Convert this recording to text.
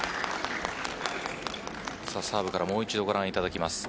サーブからもう一度ご覧いただきます。